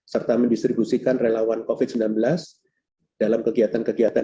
serta mendistribusikan relawan covid sembilan belas dalam kegiatan kegiatan